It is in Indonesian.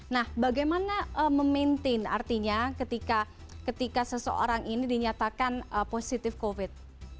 nah bagaimana memaintain artinya ketika seseorang ini dinyatakan positif covid